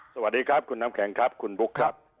สวัสดีครับคุณน้ำแข็งครับคุณบุ๊คครับ